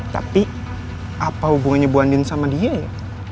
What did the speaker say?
tapi apa hubungannya bu andien sama dia ya